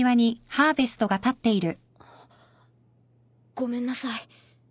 ごめんなさい。